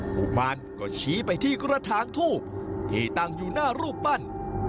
กุมารก็ชี้ไปที่กระถางทูบที่ตั้งอยู่หน้ารูปปั้น